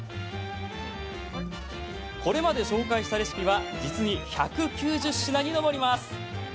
これまで紹介したレシピは実に１９０品に上ります。